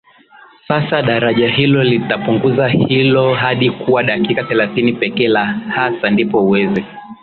sasa daraja hilo litapunguza hilo hadi kuwa dakika thelathini pekee La hasa Ndipo uweze